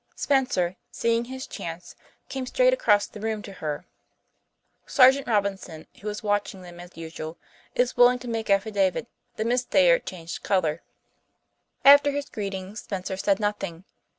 Spencer, seeing his chance, came straight across the room to her. Sergeant Robinson, who was watching them as usual, is willing to make affidavit that Miss Thayer changed colour. After his greeting Spencer said nothing.